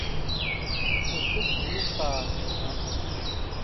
สุดลูกหูลูกตา